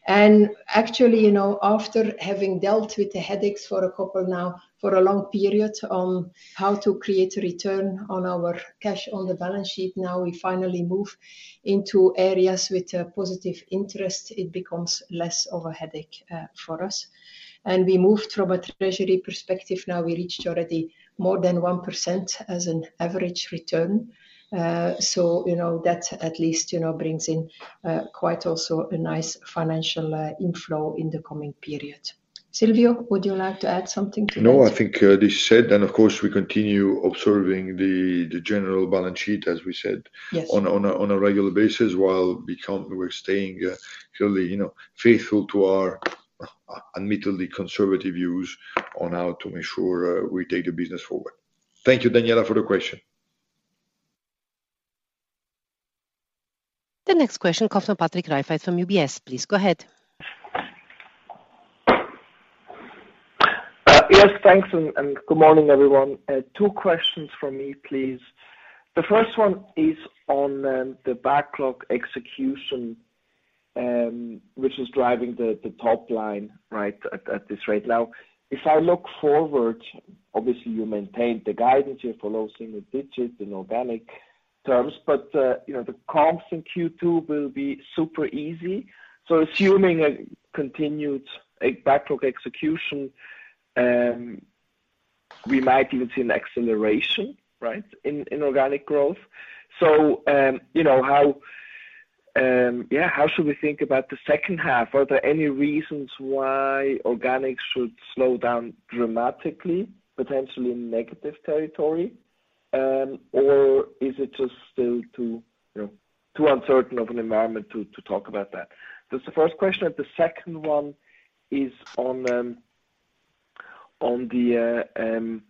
And actually, you know, after having dealt with the headaches for a couple now, for a long period on how to create a return on our cash on the balance sheet, now we finally move into areas with a positive interest. It becomes less of a headache for us. And we moved from a treasury perspective. Now we reached already more than 1% as an average return. You know, that at least, you know, brings in quite also a nice financial inflow in the coming period. Silvio, would you like to add something to this? I think, this said and of course we continue observing the general balance sheet, as we said. Yes On a regular basis while we're staying, clearly, you know, faithful to our admittedly conservative views on how to make sure, we take the business forward. Thank you, Daniela, for the question. The next question comes from Patrick Rafaisz from UBS. Please go ahead. Yes, thanks, and good morning, everyone. Two questions from me, please. The first one is on the backlog execution, which is driving the top line right at this rate. Now, if I look forward, obviously you maintain the guidance here for low single-digits in organic terms, but, you know, the comps in Q2 will be super easy. Assuming a continued backlog execution, we might even see an acceleration, right, in organic growth. You know, how, yeah, how should we think about the second half? Are there any reasons why organic should slow down dramatically, potentially in negative territory? Or is it just still too, you know, too uncertain of an environment to talk about that? That's the first question. The second one is on the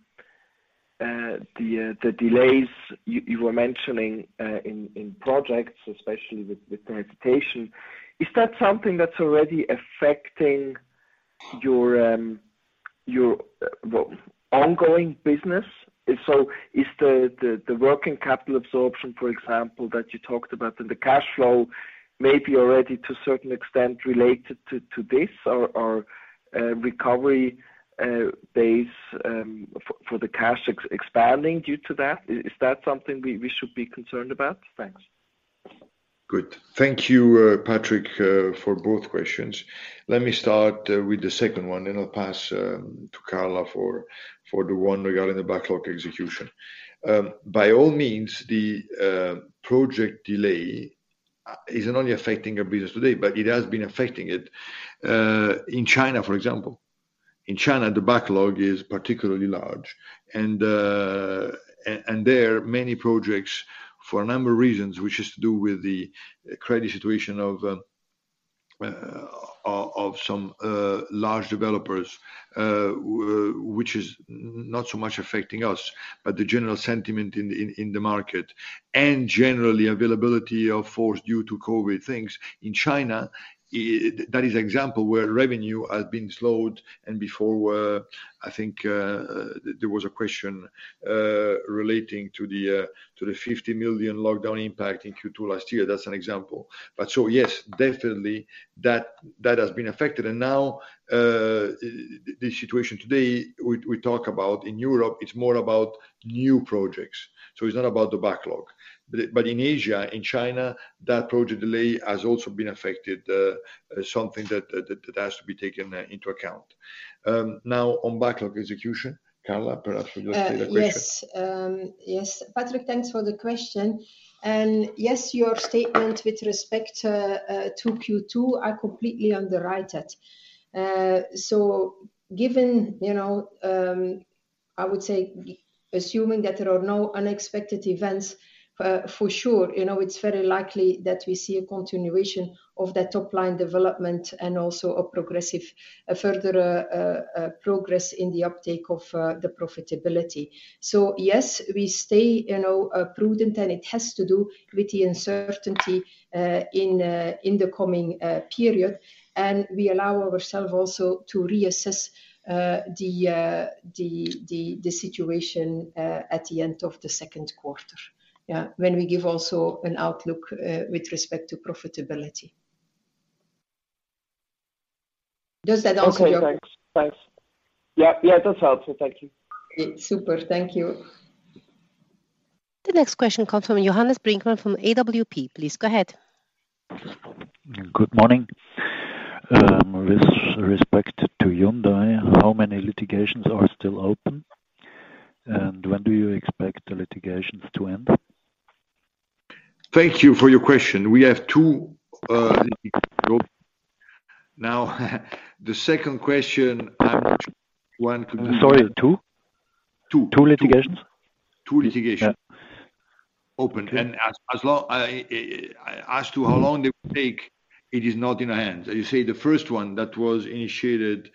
delays you were mentioning, in projects, especially with transportation. Is that something that's already affecting your, well, ongoing business? Is the working capital absorption, for example, that you talked about in the cash flow maybe already to a certain extent related to this or recovery, base, for the cash expanding due to that? Is that something we should be concerned about? Thanks. Good. Thank you, Patrick, for both questions. Let me start with the second one, then I'll pass to Carla for the one regarding the backlog execution. By all means, the project delay isn't only affecting our business today, but it has been affecting it in China, for example. In China, the backlog is particularly large and there, many projects for a number of reasons, which has to do with the credit situation of some large developers, which is not so much affecting us, but the general sentiment in the market. Generally, availability of force due to COVID in China, that is an example where revenue has been slowed and before, I think, there was a question relating to the to the 50 million lockdown impact in Q2 last year. That's an example. Yes, definitely that has been affected. Now, this situation today we talk about in Europe, it's more about new projects, so it's not about the backlog. In Asia, in China, that project delay has also been affected, something that has to be taken into account. Now on backlog execution, Carla, perhaps you just take a crack at it. Yes. Yes. Patrick, thanks for the question. Yes, your statement with respect to Q2 are completely underrated. Given, you know, I would say assuming that there are no unexpected events, for sure, you know, it's very likely that we see a continuation of that top-line development and also a progressive, a further progress in the uptake of the profitability. Yes, we stay, you know, prudent, and it has to do with the uncertainty in the coming period. We allow ourselves also to reassess the situation at the end of the second quarter. Yeah. When we give also an outlook with respect to profitability. Does that answer your? Okay, thanks. Yeah, yeah, it does help. Thank you. Super. Thank you. The next question comes from Johannes Brinkmann from AWP. Please go ahead. Good morning. With respect to Hyundai, how many litigations are still open? When do you expect the litigations to end? Thank you for your question. We have two litigations open. Now, the second question. Sorry, two? Two. Two litigations? Two litigations. Yeah. Open. Okay. As long as to how long they will take, it is not in our hands. You say the first one that was initiated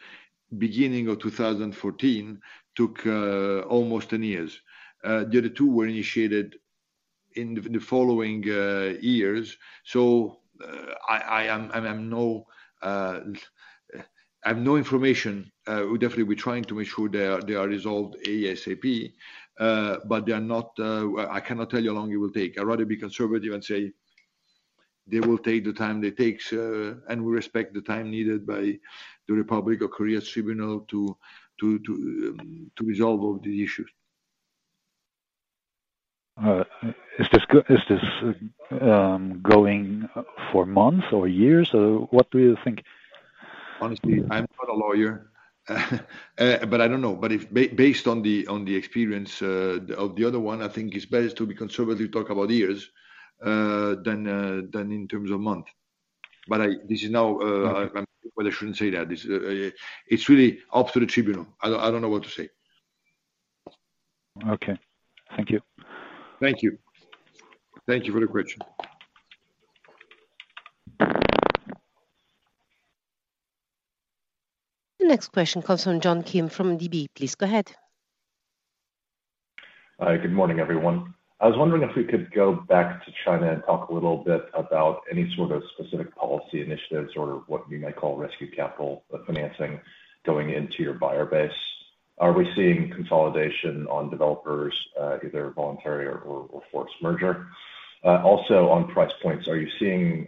beginning of 2014 took almost 10 years. The other two were initiated in the following years. I have no information. We'll definitely be trying to make sure they are, they are resolved ASAP. They are not. I cannot tell you how long it will take. I'd rather be conservative and say they will take the time that takes, and we respect the time needed by the Republic of Korea Tribunal to resolve all the issues. Is this going for months or years? What do you think? Honestly, I'm not a lawyer, I don't know. If based on the, on the experience, of the other one, I think it's best to be conservative talk about years, than in terms of month. This is now, but I shouldn't say that. This. It's really up to the tribunal. I don't know what to say. Okay. Thank you. Thank you. Thank you for the question. The next question comes from John Kim from DB. Please go ahead. Hi, good morning, everyone. I was wondering if we could go back to China and talk a little bit about any sort of specific policy initiatives or what you may call rescue capital financing going into your buyer base. Are we seeing consolidation on developers, either voluntary or forced merger? On price points, are you seeing,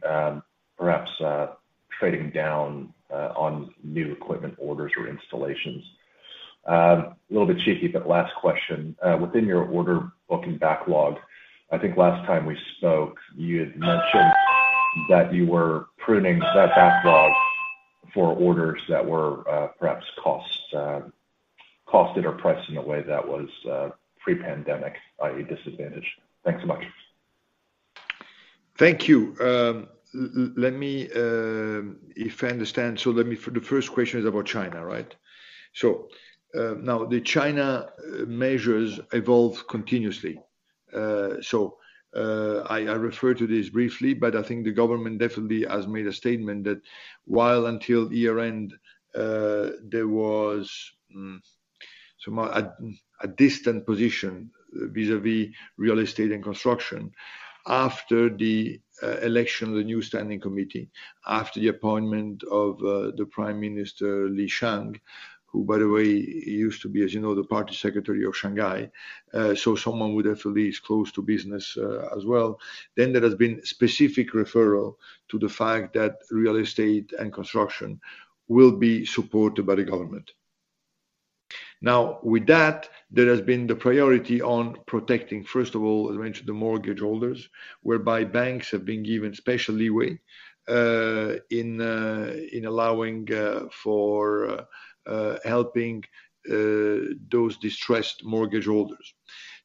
perhaps, trading down on new equipment orders or installations? A little bit cheeky, but last question. Within your order book and backlog, I think last time we spoke, you had mentioned that you were pruning that backlog for orders that were, perhaps costed or priced in a way that was pre-pandemic, i.e., disadvantaged. Thanks so much. Thank you. If I understand, so let me. The first question is about China, right? Now the China measures evolve continuously. I refer to this briefly, but I think the government definitely has made a statement that while until year-end, there was a distant position vis-à-vis real estate and construction. After the election of the new standing committee, after the appointment of the Prime Minister Li Qiang, who by the way, he used to be, as you know, the party secretary of Shanghai, someone who definitely is close to business, as well. There has been specific referral to the fact that real estate and construction will be supported by the government. With that, there has been the priority on protecting, first of all, as I mentioned, the mortgage holders, whereby banks have been given special leeway in in allowing for helping those distressed mortgage holders.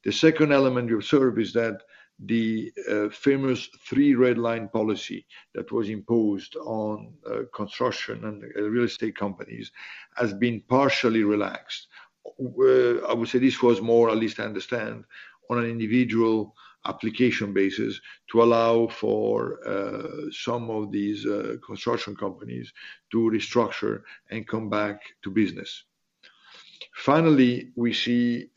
The second element you observe is that the famous three red lines policy that was imposed on construction and real estate companies has been partially relaxed. I would say this was more, at least I understand, on an individual application basis to allow for some of these construction companies to restructure and come back to business. Finally, we see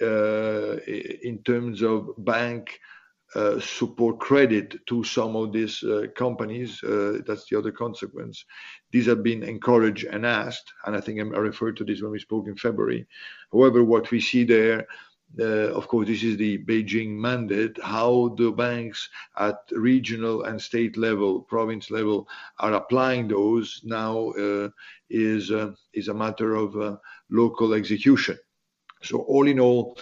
in terms of bank support credit to some of these companies, that's the other consequence. These have been encouraged and asked. I think, I referred to this when we spoke in February. However, what we see there, of course, this is the Beijing mandate, how the banks at regional and state level, province level, are applying those now, is a matter of, local execution. All in all,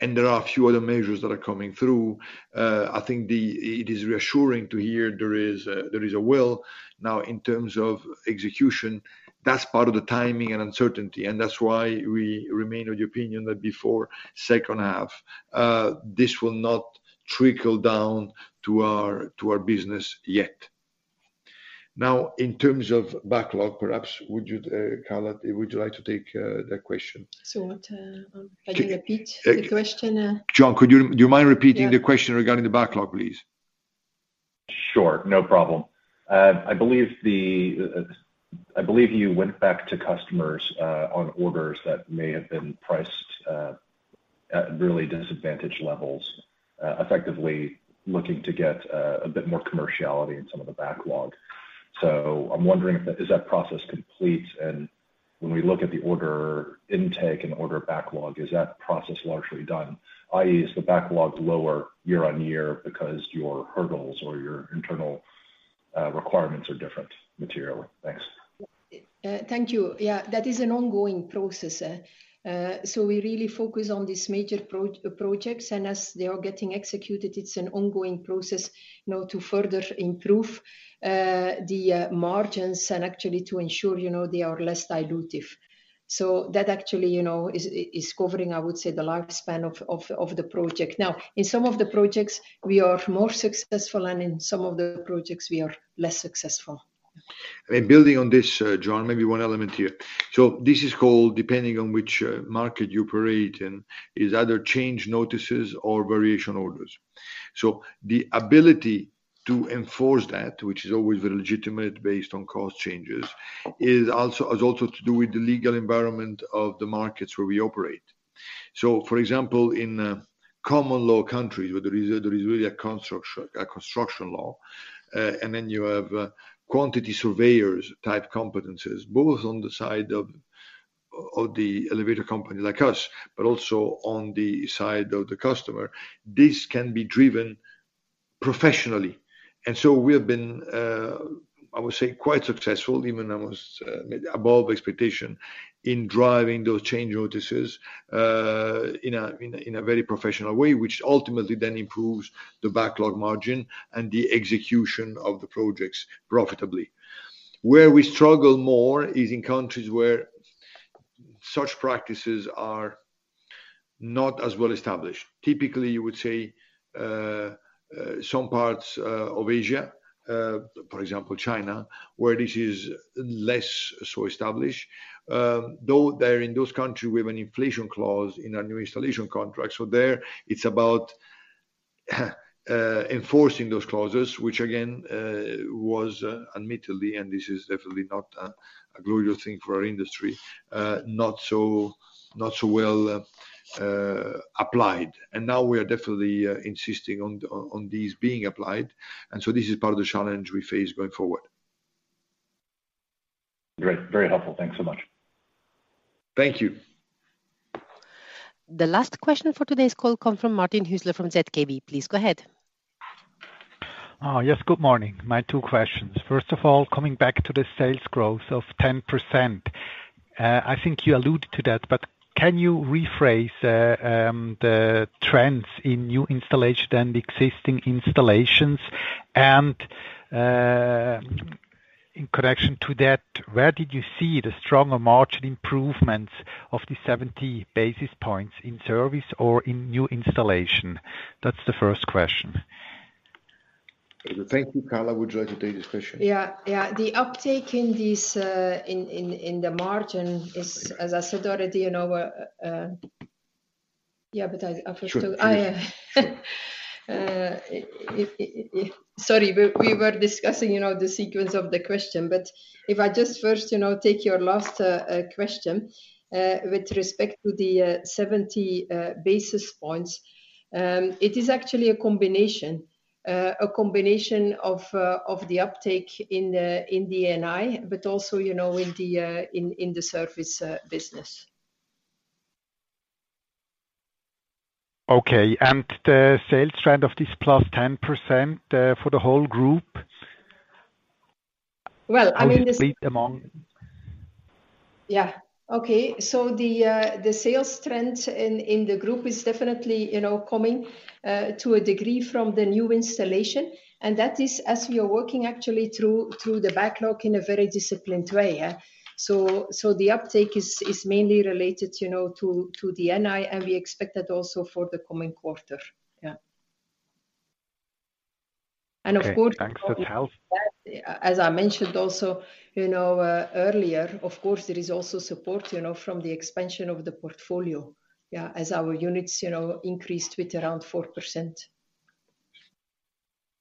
and there are a few other measures that are coming through, It is reassuring to hear there is a, there is a will now in terms of execution. That's part of the timing and uncertainty, and that's why we remain of the opinion that before second half, this will not trickle down to our, to our business yet. In terms of backlog, perhaps would you, Carla, would you like to take, that question? What, can you repeat the question? John, do you mind repeating the question regarding the backlog, please? Sure. No problem. I believe you went back to customers on orders that may have been priced at really disadvantaged levels, effectively looking to get a bit more commerciality in some of the backlog. Is that process complete? When we look at the order intake and order backlog, is that process largely done? i.e., is the backlog lower year-on-year because your hurdles or your internal requirements are different materially? Thanks. Thank you. Yeah, that is an ongoing process. We really focus on these major pro-projects, and as they are getting executed, it's an ongoing process, you know, to further improve the margins and actually to ensure, you know, they are less dilutive. That actually, you know, is covering, I would say, the lifespan of the project. In some of the projects, we are more successful, and in some of the projects, we are less successful. Building on this, John, maybe one element here. This is called, depending on which market you operate in, is either change notices or variation orders. The ability to enforce that, which is always legitimate based on cost changes, has also to do with the legal environment of the markets where we operate. For example, in common law countries where there is really a construction law, and then you have quantity surveyors type competencies, both on the side of the elevator company like us, but also on the side of the customer. This can be driven professionally. We have been, I would say, quite successful, even almost above expectation in driving those change notices in a very professional way, which ultimately then improves the backlog margin and the execution of the projects profitably. Where we struggle more is in countries where such practices are not as well established. Typically, you would say, some parts of Asia, for example, China, where this is less so established. Though there in those countries, we have an inflation clause in our New Installation contract. There it's about enforcing those clauses, which again, was admittedly, and this is definitely not a glorious thing for our industry, not so, not so well applied. Now we are definitely, insisting on these being applied, and so this is part of the challenge we face going forward. Great. Very helpful. Thanks so much. Thank you. The last question for today's call comes from Martin Hüsler from ZKB. Please go ahead. Yes, good morning. My two questions. First of all, coming back to the sales growth of 10%, I think you alluded to that, but can you rephrase the trends in New Installation and existing installations? In connection to that, where did you see the stronger margin improvements of the 70 basis points in Service or in New Installation? That's the first question. Thank you. Carla, would you like to take this question? Yeah. Yeah. The uptake in this, in the margin is, as I said already, you know. Sure, please. Oh, yeah. Sorry, we were discussing, you know, the sequence of the question, but if I just first, you know, take your last question, with respect to the 70 basis points, it is actually a combination. A combination of the uptake in NI, but also, you know, in the Service business. Okay. The sales trend of this +10% for the whole group? Well. How is it split among? The sales trend in the group is definitely, you know, coming to a degree from the New Installations, and that is as we are working actually through the backlog in a very disciplined way. The uptake is mainly related, you know, to NI, and we expect that also for the coming quarter. Of course... Okay. Thanks for the help. ...as I mentioned also, you know, earlier, of course, there is also support, you know, from the expansion of the portfolio, yeah, as our units, you know, increased with around 4%.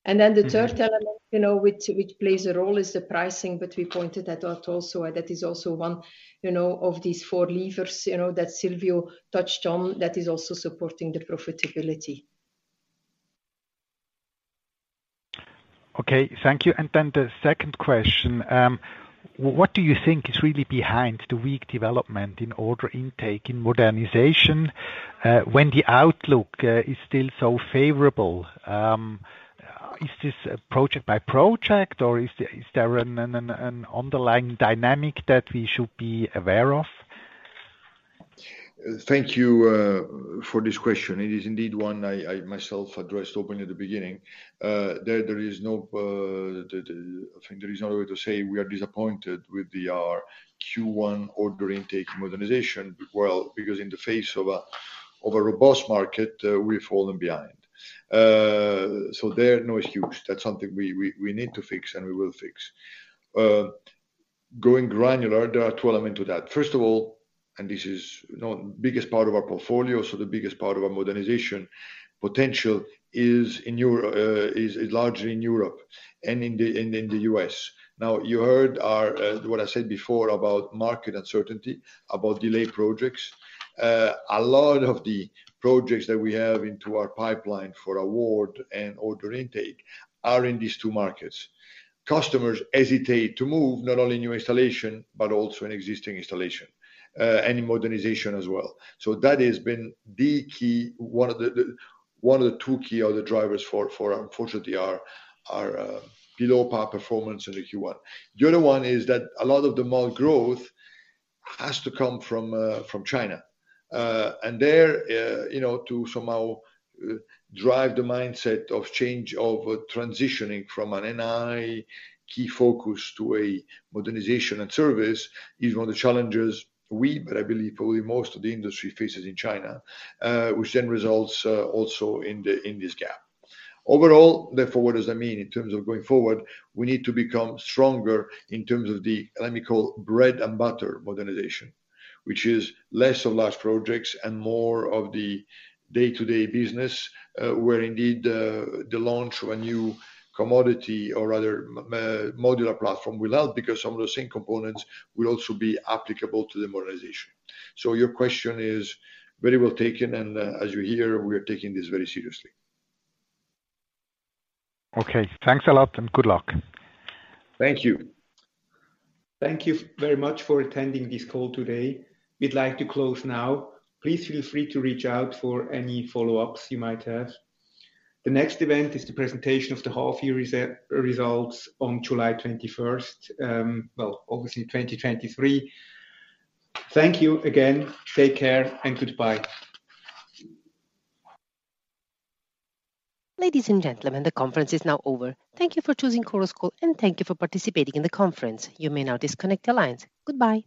The third element, you know, which plays a role is the pricing. We pointed that out also. That is also one, you know, of these four levers, you know, that Silvio touched on that is also supporting the profitability. Okay, thank you. Then the second question, what do you think is really behind the weak development in order intake in Modernization, when the outlook is still so favorable? Is this project by project, or is there an underlying dynamic that we should be aware of? Thank you for this question. It is indeed one I myself addressed openly at the beginning. There is no, I think there is no other way to say we are disappointed with our Q1 order intake Modernization. Well, because in the face of a robust market, we've fallen behind. There, no, it's huge. That's something we need to fix, and we will fix. Going granular, there are two elements to that. First of all, this is, you know, biggest part of our portfolio, so the biggest part of our Modernization potential is largely in Europe and in the U.S. Now, you heard our what I said before about market uncertainty, about delayed projects. A lot of the projects that we have into our pipeline for award and order intake are in these two markets. Customers hesitate to move not only new installation, but also in existing installation, any modernization as well. That has been the key, one of the two key other drivers for unfortunately our below par performance in the Q1. The other one is that a lot of the mod growth has to come from China. And there, you know, to somehow drive the mindset of change over transitioning from an NI key focus to a Modernization and Service is one of the challenges we, but I believe probably most of the industry faces in China, which then results also in this gap. Overall, therefore, what does that mean in terms of going forward? We need to become stronger in terms of the, let me call, bread and butter modernization, which is less of large projects and more of the day-to-day business, where indeed, the launch of a new commodity or rather, modular platform will help because some of the same components will also be applicable to the Modernization. Your question is very well taken, and as you hear, we are taking this very seriously. Okay. Thanks a lot and good luck. Thank you. Thank you very much for attending this call today. We'd like to close now. Please feel free to reach out for any follow-ups you might have. The next event is the presentation of the half year results on July 21st, well, obviously 2023. Thank you again. Take care and goodbye. Ladies and gentlemen, the conference is now over. Thank you for choosing Chorus Call, and thank you for participating in the conference. You may now disconnect your lines. Goodbye.